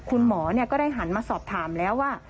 คุณหมอก็ได้หันมาสอบถามแล้วว่า